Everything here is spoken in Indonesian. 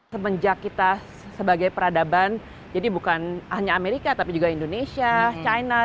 semenjak kita sebagai peradaban jadi bukan hanya amerika tapi juga indonesia china